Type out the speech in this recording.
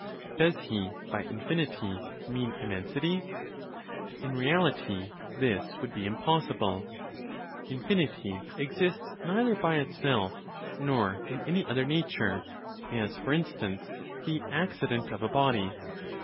Does he, by infinity, mean immensity? In reality this would be impossible. Infinity exists neither by itself, nor in any other nature, as, for instance, the accident of a body.